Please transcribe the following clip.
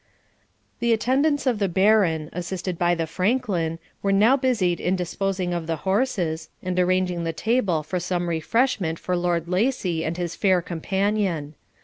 The attendants of the Baron, assisted by the Franklin, were now busied in disposing of the horses, and arranging the table for some refreshment for Lord Lacy and his fair companion.